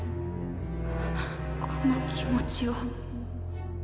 あぁこの気持ちは。